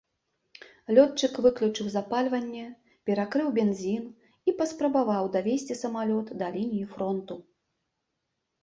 Лётчык выключыў запальванне, перакрыў бензін і паспрабаваў давесці самалёт да лініі фронту.